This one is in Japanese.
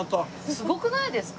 すごくないですか？